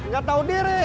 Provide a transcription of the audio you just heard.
gak tau diri